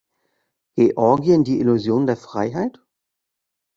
Georgien die Illusion der Freiheit?